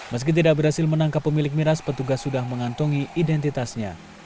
meski tidak berhasil menangkap pemilik miras petugas sudah mengantongi identitasnya